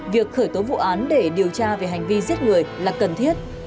việc khởi tố vụ án để điều tra về hành vi giết người là cần thiết